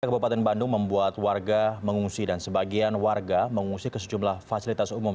kabupaten bandung membuat warga mengungsi dan sebagian warga mengungsi ke sejumlah fasilitas umum